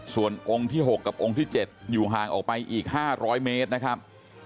ส่วนองค์ที่๖กับองค์ที่๗อยู่ห่างออกไปอีก๕๐๐เมตรนะครับ